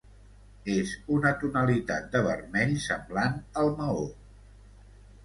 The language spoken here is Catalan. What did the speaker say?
És una tonalitat de vermell semblant al maó.